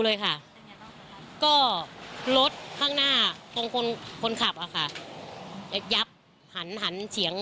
เลยค่ะก็รถข้างหน้าตรงคนคนขับอะค่ะยับหันหันเฉียง